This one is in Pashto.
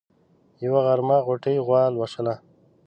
يوه غرمه غوټۍ غوا لوشله.